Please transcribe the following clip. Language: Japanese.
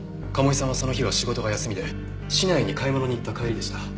賀茂井さんはその日は仕事が休みで市内に買い物に行った帰りでした。